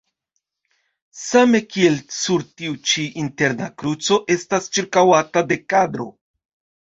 Same kiel sur tiu ĉi interna kruco estas ĉirkaŭata de kadro.